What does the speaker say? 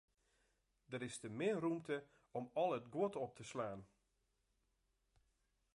Der is te min rûmte om al it guod op te slaan.